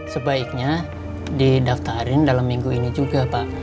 sebaiknya didaftarin dalam minggu ini juga pak